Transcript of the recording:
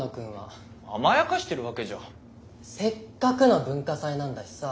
せっかくの文化祭なんだしさ。